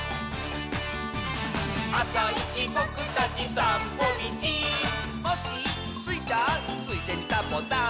「あさいちぼくたちさんぽみち」「コッシースイちゃん」「ついでにサボさん」